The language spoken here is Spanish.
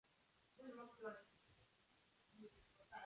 La sección de Norte comprende las diecisiete comunas siguientes